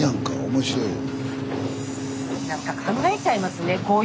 面白いよ。